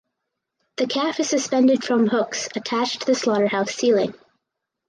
The calf is suspended from hooks attached to the slaughterhouse ceiling.